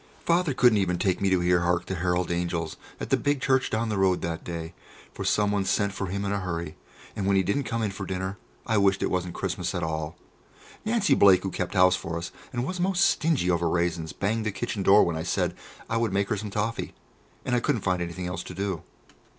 Father couldn't even take me to hear "Hark The Herald Angels" at the big church down the road that day, for someone sent for him in a hurry, and when he didn't come in for dinner, I wished it wasn't Christmas at all. Nancy Blake, who kept house for us and was most stingy over raisins, banged the kitchen door when I said I would make her some toffee, and I couldn't find anything else to do.